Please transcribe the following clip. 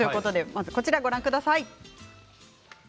こちらをご覧ください。